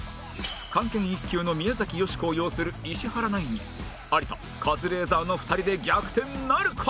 漢検１級の宮崎美子を擁する石原ナインに有田カズレーザーの２人で逆転なるか？